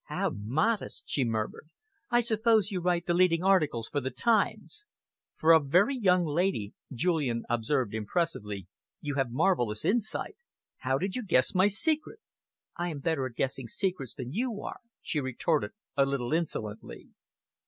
"How modest!" she murmured. "I suppose you write the leading articles for the Times!" "For a very young lady," Julian observed impressively, "you have marvellous insight. How did you guess my secret?" "I am better at guessing secrets than you are," she retorted a little insolently.